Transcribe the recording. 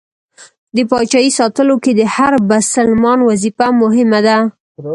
د پاچایۍ ساتلو کې د هر بسلمان وظیفه مهمه ده.